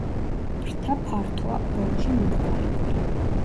ფრთა ფართოა, ბოლოში მომრგვალებული.